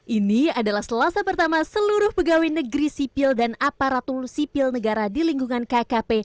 ini adalah selasa pertama seluruh pegawai negeri sipil dan aparatur sipil negara di lingkungan kkp